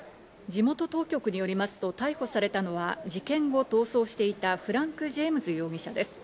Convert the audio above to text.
地元当局によりますと逮捕されたのは事件後、逃走していたフランク・ジェームズ容疑者です。